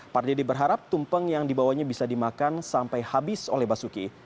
pardede berharap tumpeng yang dibawanya bisa dimakan sampai habis oleh basuki